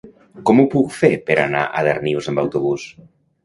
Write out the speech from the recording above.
Com ho puc fer per anar a Darnius amb autobús?